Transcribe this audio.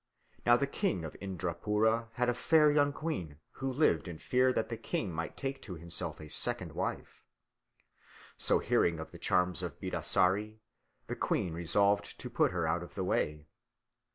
Now the King of Indrapoora had a fair young queen, who lived in fear that the king might take to himself a second wife. So, hearing of the charms of Bidasari, the queen resolved to put her out of the way.